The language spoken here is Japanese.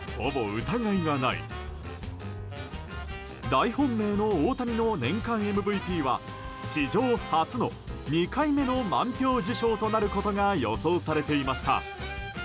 大本命の大谷の年間ＭＶＰは史上初の２回目の満票受賞となることが予想されていました。